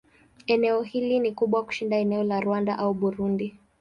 Eneo hili ni kubwa kushinda eneo la Rwanda au Burundi.